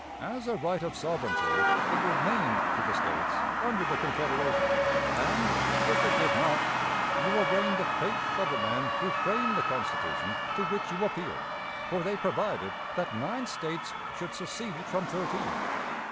As a right of sovereignty it remained to the States under the Confederation; and, if it did not, you arraign the faith of the men who framed the Constitution to which you appeal, for they provided that nine States should secede from thirteen.